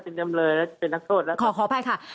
เป็นจำเลยเป็นนักโทษนะครับ